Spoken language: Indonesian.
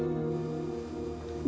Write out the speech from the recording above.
supaya tidak ikut patungan